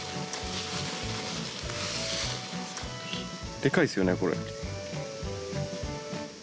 でかいですよねこれ。